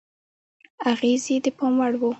اغېز یې د پام وړ و.